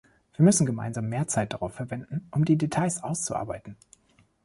Wir müssen gemeinsam mehr Zeit darauf verwenden, um die Details auszuarbeiten.